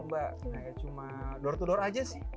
enggak mulu mulu mbak cuma door to door aja sih